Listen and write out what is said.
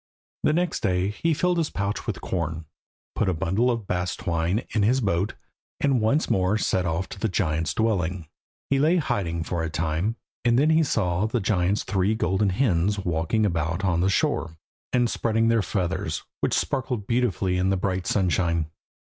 The next day he filled his pouch with corn, put a bundle of bast twine in his boat, and once more set off to the giant's dwelling. He lay hiding for a time, and then he saw the giant's three golden hens walking about on the shore, and spreading their feathers, which sparkled beautifully in the bright sunshine.